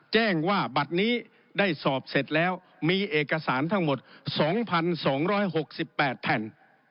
แจ้งว่าบัตรนี้ได้สอบเสร็จแล้วมีเอกสารทั้งหมด๒๒๖๘แผ่น